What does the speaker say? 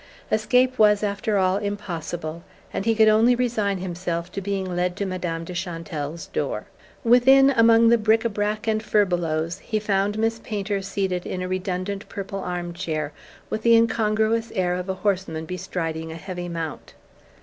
Escape was, after all, impossible, and he could only resign himself to being led to Madame de Chantelle's door. Within, among the bric a brac and furbelows, he found Miss Painter seated in a redundant purple armchair with the incongruous air of a horseman bestriding a heavy mount.